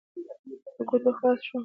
له ګوتو خلاص شوم.